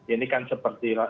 ini kan seperti